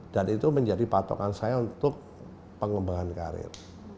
dan itu menjadi patokan saya untuk pengembangan karir